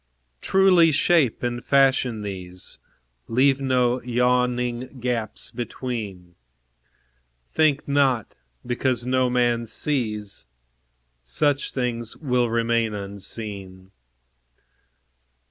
Truly shape and fashion these; Leave no yawning gaps between; Think not, because no man sees, Such things will remain unseen.